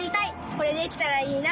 これできたらいいな。